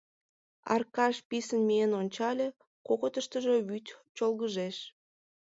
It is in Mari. Аркаш писын миен ончале — кокытыштыжо вӱд чолгыжеш.